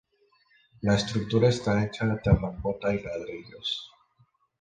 La estructura está hecha de terracota y ladrillos.